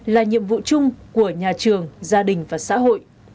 là nhiệm vụ chung của nhà trường gia đình và xã hội